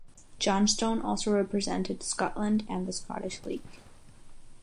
Johnstone also represented Scotland and the Scottish League.